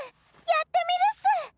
やってみるっす！